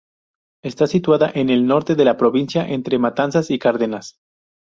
Está situada en el norte de la provincia, entre Matanzas y Cárdenas.